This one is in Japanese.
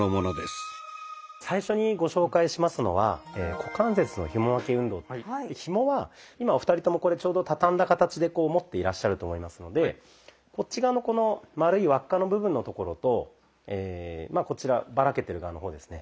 最初にご紹介しますのはひもは今お二人ともこれちょうど畳んだ形でこう持っていらっしゃると思いますのでこっち側のこの丸い輪っかの部分のところとこちらバラけてる側の方ですね